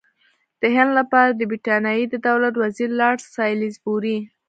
د هند لپاره د برټانیې د دولت وزیر لارډ سالیزبوري.